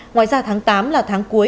ngoài ra tháng tám là tháng cuối